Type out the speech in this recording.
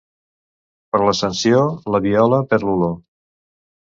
Per l'Ascensió, la viola perd l'olor.